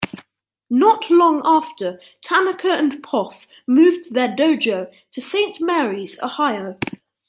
Not long after, Tanaka and Poff moved their dojo to Saint Marys, Ohio.